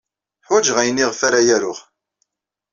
Ḥwajeɣ ayen ayɣef ara aruɣ.